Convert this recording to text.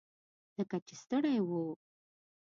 لکه چې ستړي وو.